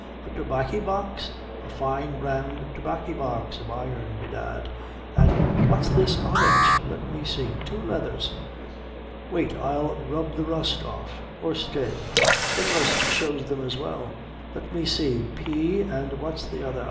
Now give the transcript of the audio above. a tobaccy box a fine round tobaccy box of iron, bedad an what's this on it! let me see; two letthers. Wait till I rub the rust off; or stay, the rust shows them as well. Let me see P. an' what's the other?